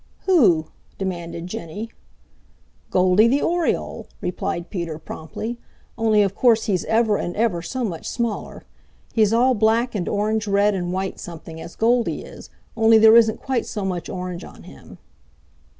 "Who?" demanded Jenny. "Goldy the Oriole," replied Peter promptly. "Only of course he's ever and ever so much smaller. He's all black and orange red and white something as Goldy is, only there isn't quite so much orange on him."